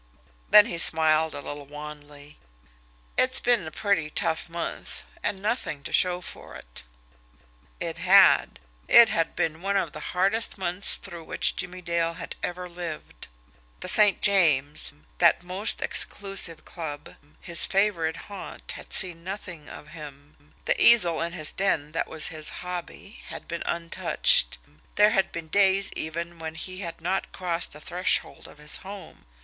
Then he smiled a little wanly. "It's been a pretty tough month and nothing to show for it!" It had! It had been one of the hardest months through which Jimmie Dale had ever lived. The St. James, that most exclusive club, his favourite haunt, had seen nothing of him; the easel in his den, that was his hobby, had been untouched; there had been days even when he had not crossed the threshold of his home.